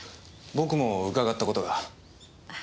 僕も伺った事が。